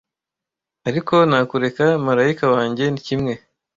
ariko nakureka marayika wanjye kimwe